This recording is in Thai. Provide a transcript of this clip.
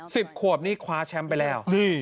สิบขวบนี่คว้าแชมป์ไปแล้ว